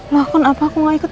lah kenapa aku gak ikut